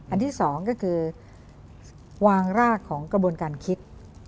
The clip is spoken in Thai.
อันที่สองก็คือวางรากของกระบวนการคิด